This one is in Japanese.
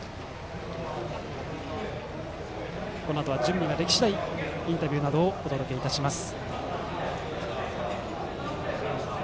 このあとは準備ができ次第インタビューなどをお届けいたします。